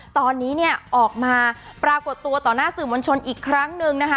ตอนนี้เนี่ยออกมาปรากฏตัวต่อหน้าสื่อมวลชนอีกครั้งหนึ่งนะคะ